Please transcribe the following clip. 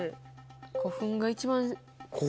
古墳が一番。